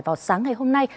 vào sáng ngày hôm nay